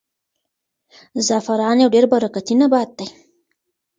زعفران یو ډېر برکتي نبات دی.